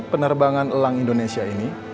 penerbangan elang indonesia ini